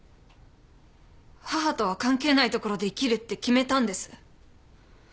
母とは関係ないところで生きるって決めたんです。